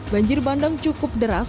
banjir bandang cukup deras